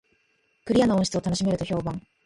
クリアな音質を楽しめると評判